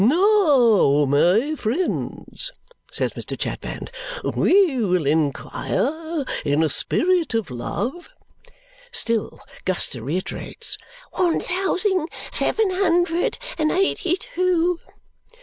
"Now, my friends," says Mr. Chadband, "we will inquire in a spirit of love " Still Guster reiterates "one thousing seven hundred and eighty two."